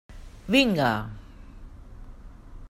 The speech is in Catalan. Vinga!